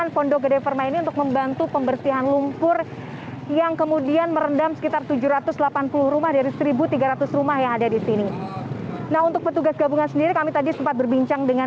pondok gede permai jatiasi pada minggu pagi